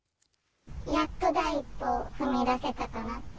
やっと第一歩を踏み出せたかなって。